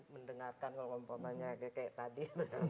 mendengarkan agak agak kayak tadi